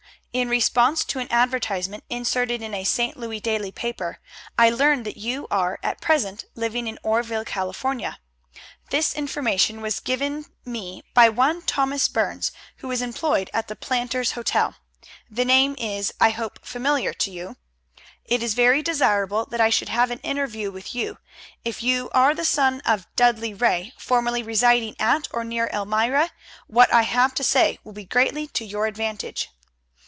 In response to an advertisement inserted in a St. Louis daily paper, I learn that you are at present living in Oreville, California. This information was given me by one Thomas Burns, who is employed at the Planters' Hotel. The name is, I hope, familiar to you. It is very desirable that I should have an interview with you. If you are the son of Dudley Ray, formerly residing at or near Elmira, what I have to say will be greatly to your advantage.